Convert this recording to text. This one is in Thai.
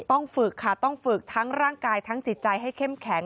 ฝึกค่ะต้องฝึกทั้งร่างกายทั้งจิตใจให้เข้มแข็ง